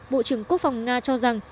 bộ trưởng quốc phòng nga cho rằng